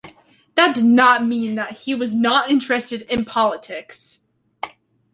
That did not mean that he was not interested in politics.